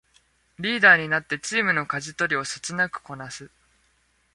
リーダーになってチームのかじ取りをそつなくこなす